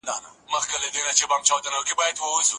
اسلام اقتصادي عدالت غواړي.